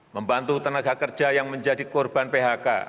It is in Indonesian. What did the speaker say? membantu tenaga kerja yang menjadi korban phk